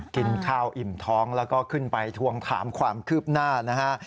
กินข้าวอิ่มท้องแล้วก็ขึ้นไปทวงถามความคืบหน้านะฮะ